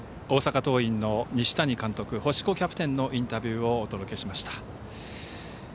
大阪桐蔭の西谷監督星子キャプテンのインタビューをお届けしました。